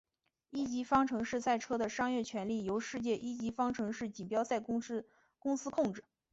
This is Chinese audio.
一级方程式赛车的商业权利由世界一级方程式锦标赛公司控制。